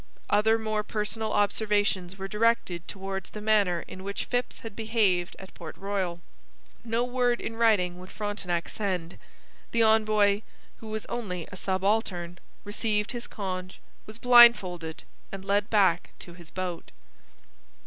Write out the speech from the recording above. Other more personal observations were directed towards the manner in which Phips had behaved at Port Royal. No word in writing would Frontenac send. The envoy (who was only a subaltern) received his conge, was blindfolded and led back to his boat.